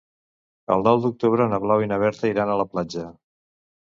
El nou d'octubre na Blau i na Berta iran a la platja.